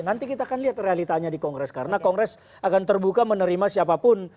nanti kita akan lihat realitanya di kongres karena kongres akan terbuka menerima siapapun